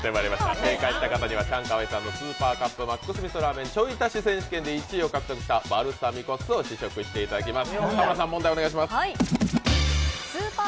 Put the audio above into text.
正解した方にはチャンカワイさんのスーパーカップＭＡＸみそラーメンちょい足し選手権で１位を獲得したバルサミコ酢を試食していただきます。